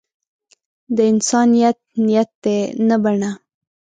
د انسان نیت نیت دی نه بڼه.